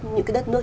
những cái đất nước